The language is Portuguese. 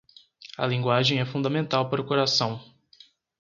A linguagem é fundamental para o coração.